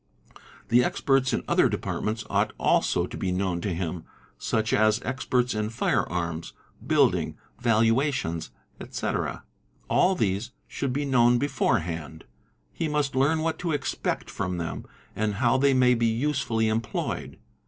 But experts in other departments ought also to be known to him, such as experts in firearms, building, valuations, etc. All these should be known beforehand; he must learn what to expect from them and how they may be usefully employed.